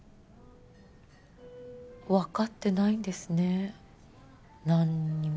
わかってないんですね何にも。